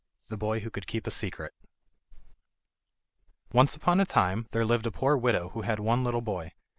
The Boy Who Could Keep A Secret Once upon a time there lived a poor widow who had one little boy.